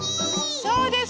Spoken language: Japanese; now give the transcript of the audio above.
そうです。